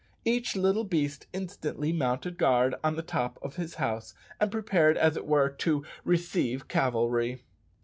Each little beast instantly mounted guard on the top of his house, and prepared, as it were, "to receive cavalry."